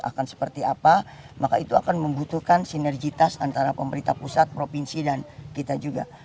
akan seperti apa maka itu akan membutuhkan sinergitas antara pemerintah pusat provinsi dan kita juga